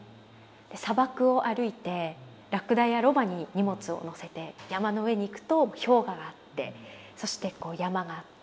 砂漠を歩いてラクダやロバに荷物を載せて山の上に行くと氷河があってそしてこう山があって。